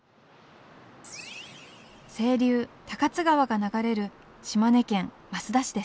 清流高津川が流れる島根県益田市です。